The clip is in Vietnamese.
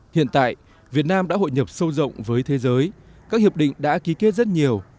hiện tại việt nam đã hội nhập sâu rộng với thế giới các hiệp định đã ký kết rất nhiều